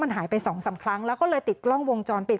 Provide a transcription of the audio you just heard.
มันหายไป๒๓ครั้งแล้วก็เลยติดกล้องวงจรปิด